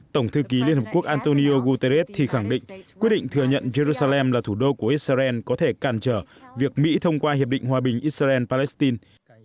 tổng thư ký liên hợp quốc antonio guterres thì khẳng định quyết định thừa nhận jerusalem là thủ đô của israel có thể cản trở việc mỹ thông qua hiệp định hòa bình israel palestine